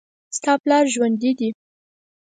ستا پلار ژوندي دي